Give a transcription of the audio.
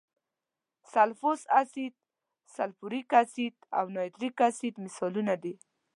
سلفورس اسید، سلفوریک اسید او نایتریک اسید مثالونه دي.